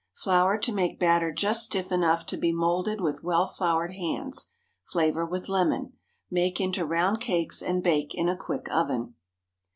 Flour to make batter just stiff enough to be moulded with well floured hands. Flavor with lemon. Make into round cakes and bake in a quick oven.